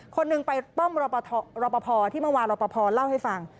คนหนึ่งไปป้อมรอปภที่เมื่อวานรอปภเล่าให้ฟัง